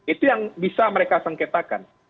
itu yang bisa mereka sengketakan